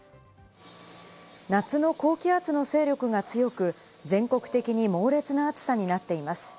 夏の高気圧の勢力が強く、全国的に猛烈な暑さになっています。